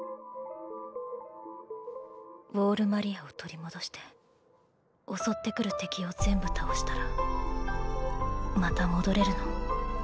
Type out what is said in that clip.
ウォール・マリアを取り戻して襲ってくる敵を全部倒したらまた戻れるの？